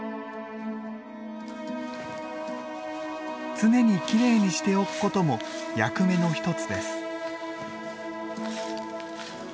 常にきれいにしておくことも役目の一つです。